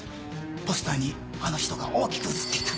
ポスターにあの人が大きく写っていた。